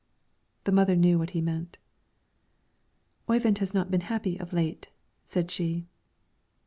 The mother knew what he meant. "Oyvind has not been happy of late," said she.